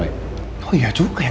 kita simpan ulang turun